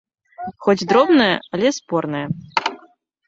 Хоць дробная, але спорная.